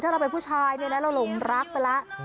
ถ้าเราเป็นผู้ชายเรารงรักไปแล้ว